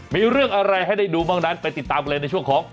มีเรื่องอะไรให้ได้ดูบ้างนั้นไปติดตามกันเลยในช่วงของ